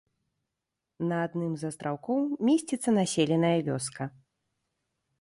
На адным з астраўкоў месціцца населеная вёска.